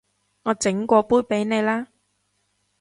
我整過杯畀你啦